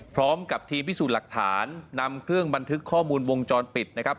พร้อมกับทีมพิสูจน์หลักฐานนำเครื่องบันทึกข้อมูลวงจรปิดนะครับ